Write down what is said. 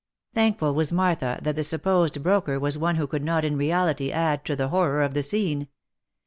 Thankful was Martha that the supposed broker was one who could not in reality add to the horror of the scene.